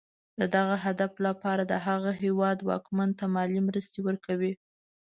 د دغه هدف لپاره د هغه هېواد واکمن ته مالي مرستې ورکوي.